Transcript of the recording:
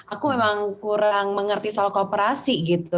aku memang kurang mengerti soal kooperasi gitu